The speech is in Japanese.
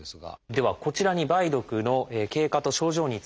ではこちらに梅毒の経過と症状についてまとめました。